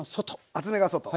厚めが外。